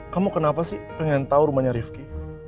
kamu kenapa sih pengen tahu rumahnya rifki